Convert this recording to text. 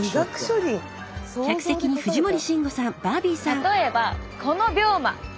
例えばこの病魔。